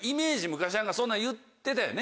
昔そんなん言ってたよね？